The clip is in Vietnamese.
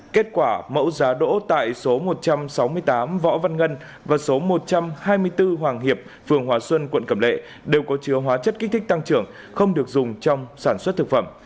kết quả mẫu giá đỗ tại số một trăm sáu mươi tám võ văn ngân và số một trăm hai mươi bốn hoàng hiệp phường hòa xuân quận cẩm lệ đều có chứa hóa chất kích thích tăng trưởng không được dùng trong sản xuất thực phẩm